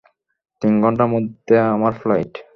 তিন ঘন্টার মধ্যে আমার ফ্লাইট।